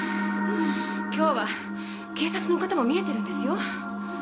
今日は警察の方も見えてるんですよ。